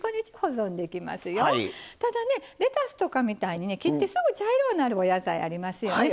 レタスとかみたいにね切ってすぐ茶色になるお野菜ありますよね。